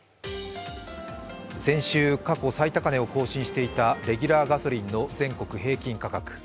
先週過去最高値を更新していたレギュラーガソリンの全国平均価格。